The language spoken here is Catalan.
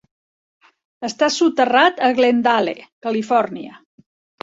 Està soterrat a Glendale, Califòrnia.